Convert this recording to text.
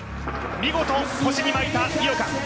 見事、腰に巻いた井岡。